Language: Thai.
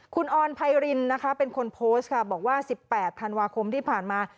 คุณออนไพรินนะคะเป็นคนโพสต์ค่ะบอกว่า๑๘ธันวาคมที่ผ่านมา